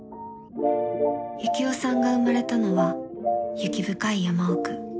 ユキオさんが生まれたのは雪深い山奥。